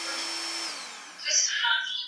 فیصل وویل چې د امربالمعروف خبرې بیخي رښتیا دي.